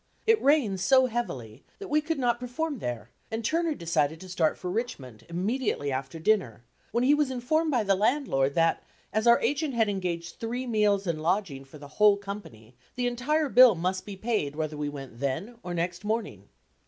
It rained so heavily that we could not perform there and Turner decided to start for Richmond immediately after dinner, when he was informed by the landlord that as our agent had engaged three meals and lodging for the whole company, the entire bill must be paid whether we went then, or next morning.